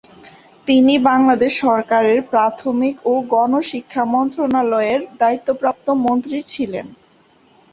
তিনি বাংলাদেশ সরকারের প্রাথমিক ও গণশিক্ষা মন্ত্রণালয়ের দায়িত্বপ্রাপ্ত মন্ত্রী ছিলেন।